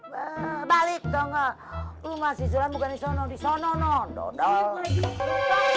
hai balik dong lo masih sulam bukan di sono di sono non dodol